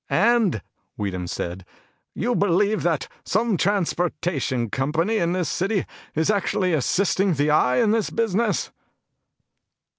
"And," Weedham said, "you believe that some transportation company in this city is actually assisting the Eye in this business?"